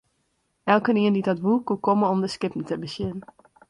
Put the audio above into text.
Elkenien dy't dat woe, koe komme om de skippen te besjen.